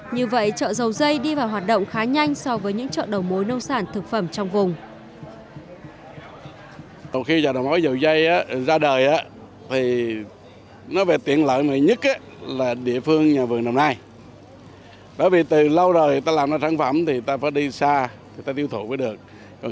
như vậy chợ dầu dây đi vào hoạt động khá nhanh so với những chợ đầu mối nông sản thực phẩm trong vùng